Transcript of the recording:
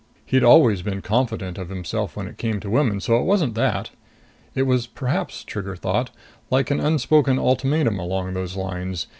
He'd always been confident of himself when it came to women, so it wasn't that. It was perhaps, Trigger thought, like an unspoken ultimatum along those lines.